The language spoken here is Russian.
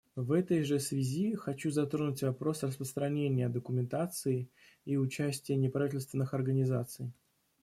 В этой же связи хочу затронуть вопрос распространения документации и участия неправительственных организаций.